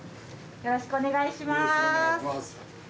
よろしくお願いします。